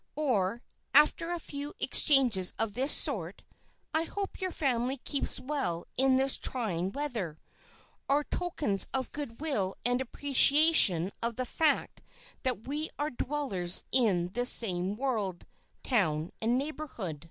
or, after a few exchanges of this sort—"I hope your family keeps well in this trying weather"—are tokens of good will and appreciation of the fact that we are dwellers in the same world, town and neighborhood.